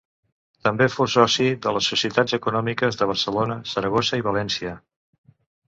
També fou soci de les Societats econòmiques de Barcelona, Saragossa i València.